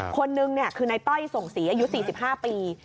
คนนึงคือนายต้อยส่งศรีอายุ๔๕ปี